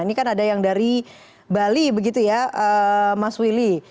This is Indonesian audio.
ini kan ada yang dari bali begitu ya mas willy